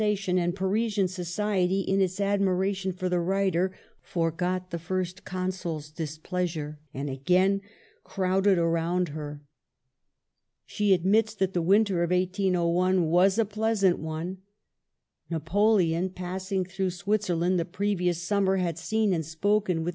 105 tion ; and Parisian society, in its admiration for the writer, forgot the First Consul's displeasure, and again crowded round her. She admits that the winter of 1801 was a pleasant one. Napo leon, passing through Switzerland the previous summer, had seen and spoken with M.